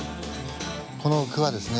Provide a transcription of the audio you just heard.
このクワですね